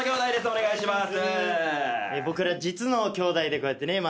お願いします。